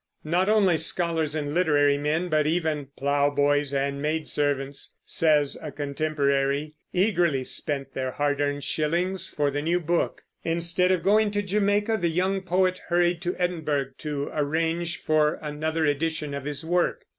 Not only scholars and literary men, but "even plowboys and maid servants," says a contemporary, eagerly spent their hard earned shillings for the new book. Instead of going to Jamaica, the young poet hurried to Edinburgh to arrange for another edition of his work.